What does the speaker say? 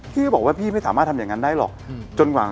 พี่ก็บอกว่าพี่ไม่สามารถทำอย่างนั้นได้หรอกจนกว่า